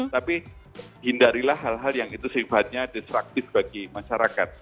tapi hindarilah hal hal yang itu sifatnya destruktif bagi masyarakat